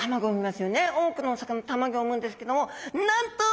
多くのお魚卵を産むんですけどもなんと！